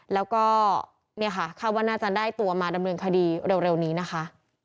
แล้วก็เนี่ยค่ะคาดว่าน่าจะได้ตัวมาดำเนินคดีเร็วนี้นะคะ